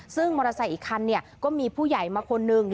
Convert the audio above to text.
ซึ่งมอเตอร์ไซค์อีกคันก็มีผู้ใหญ่มาคนหนึ่ง